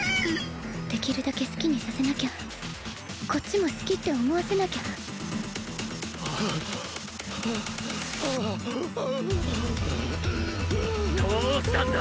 できるだけ好きにさせなきゃこっちも好きって思わせなきゃあああああああどうしたんだ？